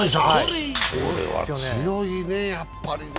これは強いね、やっぱりね。